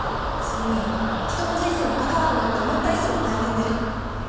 それに人の人生に関わるのって思った以上に大変で。